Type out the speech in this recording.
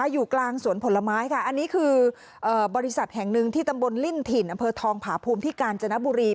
อยู่กลางสวนผลไม้ค่ะอันนี้คือบริษัทแห่งหนึ่งที่ตำบลลิ่นถิ่นอำเภอทองผาภูมิที่กาญจนบุรี